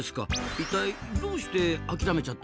いったいどうして諦めちゃったんですかね？